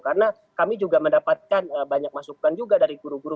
karena kami juga mendapatkan banyak masukan juga dari guru guru